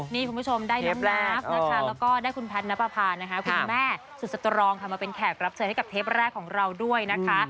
นี่คุณผู้ชมได้น้องนาฟนะคะแล้วก็ได้คุณแพทย์นับประพานะคะคุณแม่สุดสตรองค่ะมาเป็นแขกรับเชิญให้กับเทปแรกของเราด้วยนะคะ